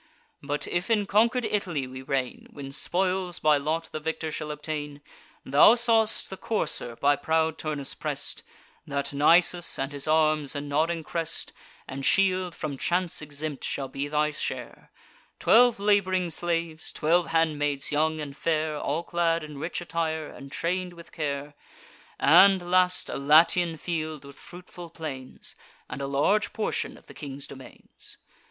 But, if in conquer'd Italy we reign, When spoils by lot the victor shall obtain— Thou saw'st the courser by proud Turnus press'd: That, Nisus, and his arms, and nodding crest, And shield, from chance exempt, shall be thy share: Twelve lab'ring slaves, twelve handmaids young and fair All clad in rich attire, and train'd with care; And, last, a Latian field with fruitful plains, And a large portion of the king's domains.